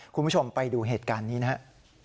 คุณผู้ชมไปดูเหตุการณ์นี้นะครับ